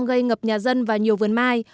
gây ngập nhà dân và nhiều vườn mai